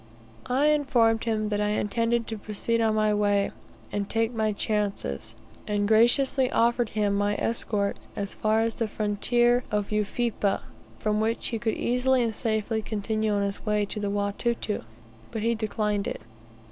I informed him that I intended to proceed on my way, and take my chances, and graciously offered him my escort as far as the frontier of Ufipa, from which he could easily and safely continue on his way to the Watuta, but he declined it.